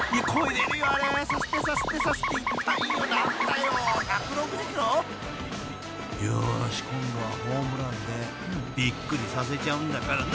［よーし今度はホームランでびっくりさせちゃうんだからな］